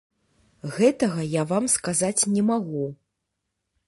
Гэтага я вам сказаць не магу.